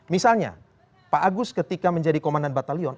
misalnya pak agus ketika menjadi komandan batalion